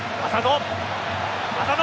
浅野。